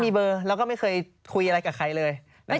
มีเบอร์แล้วก็ไม่เคยคุยอะไรกับใครเลย